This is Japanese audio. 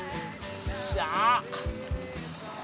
よっしゃ！